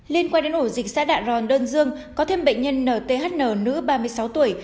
liên quan đến ổ dịch xã đạ ròn đơn dương có thêm bệnh nhân nthn nữ ba mươi sáu tuổi